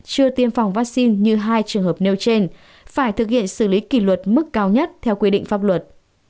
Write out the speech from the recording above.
chưa tiêm phòng vaccine như hai trường hợp nêu trên phải thực hiện xử lý kỷ luật mức cao nhất theo quy định pháp luật